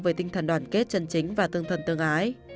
với tinh thần đoàn kết chân chính và tương thân tương ái